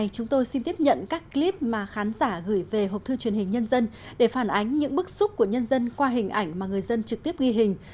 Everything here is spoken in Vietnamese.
chúng tôi xin tiếp nhận các clip mà khán giả gửi về học thư truyền hình nhân dân để phản ánh những bức xúc của nhân dân qua hình ảnh mà người dân trực tiếp ghi hình